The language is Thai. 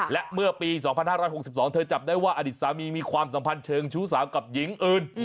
และเมื่อปี๒๕๖๒เธอจับได้ว่าอดีตสามีมีความสัมพันธ์เชิงชู้สาวกับหญิงอื่น